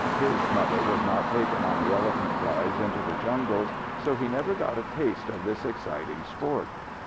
His mother was not taken on the elephant drives into the jungles, so he never got a taste of this exciting sport.